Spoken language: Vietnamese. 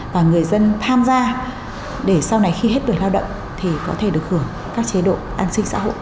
và người dân tham gia để sau này khi hết tuổi lao động thì có thể được hưởng các chế độ an sinh xã hội